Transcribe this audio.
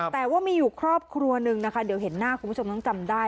แต่ว่ามีอยู่ครอบครัวหนึ่งนะคะเดี๋ยวเห็นหน้าคุณผู้ชมต้องจำได้